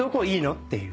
っていう。